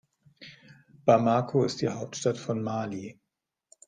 Bamako ist die Hauptstadt von Mali.